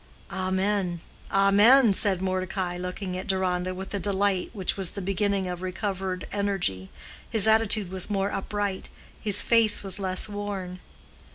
"Amen, amen," said Mordecai, looking at Deronda with a delight which was the beginning of recovered energy: his attitude was more upright, his face was less worn.